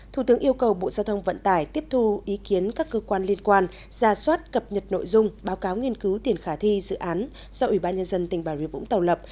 thủ tướng yêu cầu bộ giao thông vận tải tiếp thu ý kiến các cơ quan liên quan ra soát cập nhật nội dung báo cáo nghiên cứu tiền khả thi dự án do ủy ban nhân dân tỉnh bà rịa vũng tàu lập